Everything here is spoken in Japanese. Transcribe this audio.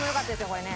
これね。